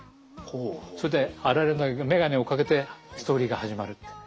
それでアラレが眼鏡をかけてストーリーが始まるってね。